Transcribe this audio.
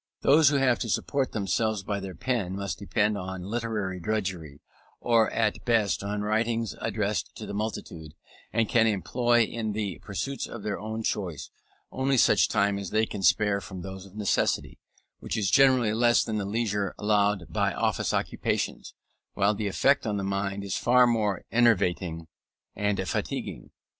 Those who have to support themselves by their pen must depend on literary drudgery, or at best on writings addressed to the multitude; and can employ in the pursuits of their own choice, only such time as they can spare from those of necessity; which is generally less than the leisure allowed by office occupations, while the effect on the mind is far more enervating and fatiguing.